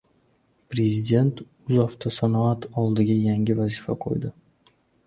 Prezident «O‘zavtosanoat» oldiga yangi vazifalar qo‘ydi